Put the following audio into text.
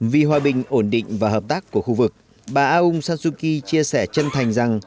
vì hòa bình ổn định và hợp tác của khu vực bà aung san suu kyi chia sẻ chân thành rằng